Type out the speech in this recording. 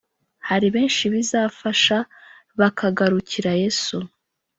hari benshi bizafasha bakagarukira Yesu